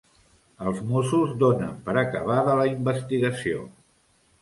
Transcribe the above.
Els mossos donen per acabada la investigació